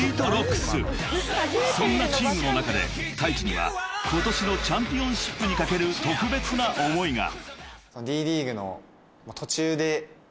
［そんなチームの中でＴａｉｃｈｉには今年のチャンピオンシップに懸ける特別な思いが］